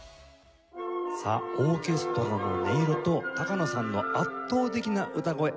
さあオーケストラの音色と高野さんの圧倒的な歌声